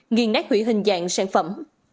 nghiên nát hủy hình dạng sản phẩm